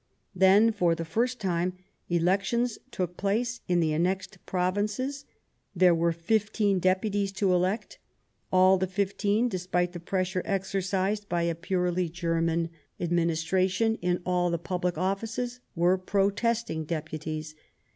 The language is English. Then, for the first time, elections took place in the annexed Provinces. There were fifteen Deputies to elect ; all the fifteen, despite the pressure exercised by a purely German 176 The German Empire administration in all the public offices, were pro testing Deputies.